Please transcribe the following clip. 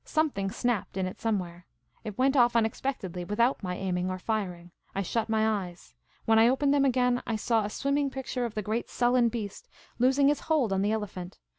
Something snapped in it somewhere. It went off unexpectedly, without my aiming or firing. I IT WKNT OKK UNKXI'KCTKDI.Y. shut my eyes. When I opened them again, I saw a swim ming picture of the great sullen beast, loosing his hold on the elephant.